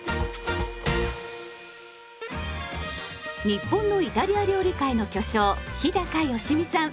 日本のイタリア料理界の巨匠日良実さん。